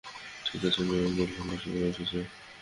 ঠিক আছে, নারকেল ভাঙার সময় এসেছে।